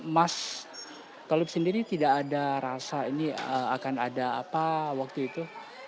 mas kolib sendiri tidak ada rasa ini akan ada apa waktu itu